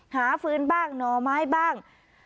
หาฟื้นบ้างหน่อไม้บ้าง